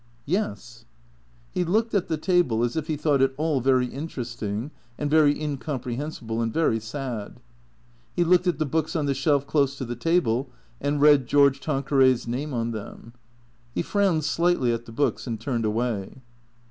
" Yes." He looked at the table as if he thought it all very interesting and very incomprehensible and very sad. He looked at the books on the shelf close to the table and read George Tanque ray's name on them. He frowned slightly at the books and turned away.